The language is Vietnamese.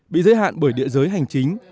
bị giới hạn bởi địa giới hành chính